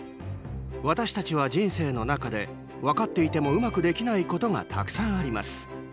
私たちは人生の中で分かっていてもうまくできないことがたくさんあります。